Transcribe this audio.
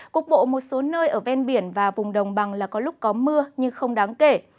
cục bộ một số nơi ở ven biển và vùng đồng bằng là có lúc có mưa nhưng không đáng kể